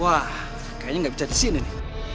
wah kayaknya gak bisa disini